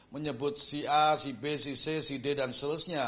menyebut si a si b si c si d dan seterusnya